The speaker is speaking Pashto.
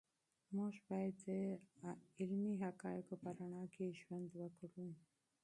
موږ باید د علمي حقایقو په رڼا کې ژوند وکړو.